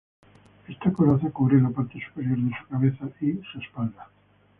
Esta coraza cubre la parte superior de su cabeza y su espalda.